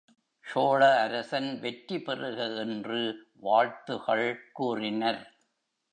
சோழ அரசன் வெற்றி பெறுக என்று வாழ்த்துகள் கூறினர்.